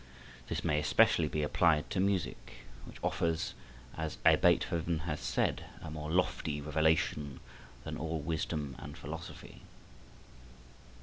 This may especially be applied to music, which offers, as a Beethoven has said, a more lofty revelation than all wisdom and philosophy.